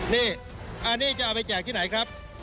นี่อันนี้จะเอาไปแจกที่ไหนครับ